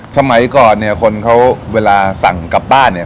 สมัยก่อนเนี่ยคนเขาเวลาสั่งกลับบ้านเนี่ย